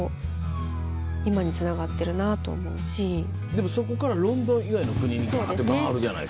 でもそこからロンドン以外の国にガって回るじゃないすか。